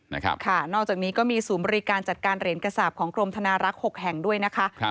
นอกจากนี้ก็มีศูนย์บริการจัดการเหรียญกระสาปของกรมธนารักษ์๖แห่งด้วยนะคะ